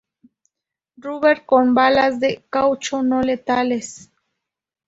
Rubber, con balas de caucho no letales.